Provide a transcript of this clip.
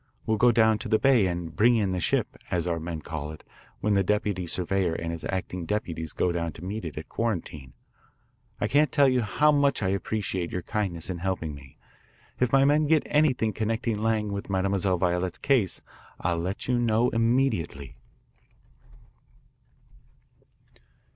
We'll go down the bay and 'bring in the ship,' as our men call it when the deputy surveyor and his acting deputies go down to meet it at Quarantine. I can't tell you how much I appreciate your kindness in helping me. If my men get anything connecting Lang with Mademoiselle Violette's case I'll let you know immediately."